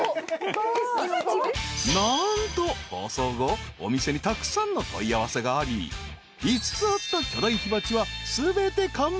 ［何と放送後お店にたくさんの問い合わせがあり５つあった巨大火鉢は全て完売］